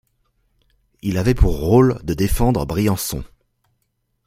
Il avait pour rôle de défendre Briançon.